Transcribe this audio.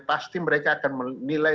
pasti mereka akan menilai